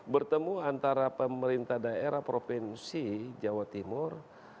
bertemu antara pemerintah daerah provinsi jawa timur